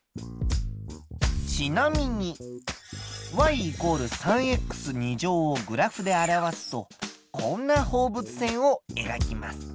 ちなみに＝３をグラフで表すとこんな放物線をえがきます。